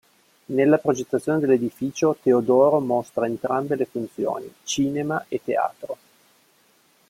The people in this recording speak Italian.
Nella progettazione dell'edificio, Teodoro mostra entrambe le funzioni: cinema e teatro.